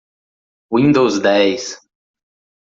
Windows dez.